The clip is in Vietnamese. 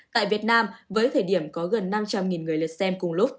tại việt nam với thời điểm có gần năm trăm linh người lượt xem cùng lúc